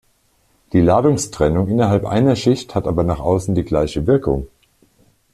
Die Ladungstrennung innerhalb einer Schicht hat aber nach außen die gleiche Wirkung.